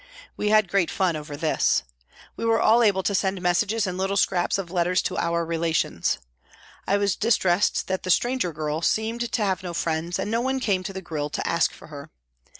We had great fun over this. We were all able to send messages and little scraps of letters to our relations. I was distressed that the stranger girl seemed to have no friends, and no one came to the grille to ask for her.